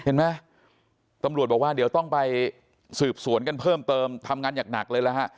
เห็นไหมตำรวจบอกว่าเดี๋ยวต้องไปสืบสวนกันเพิ่มเติมทำงานอย่างหนักเลยนะฮะ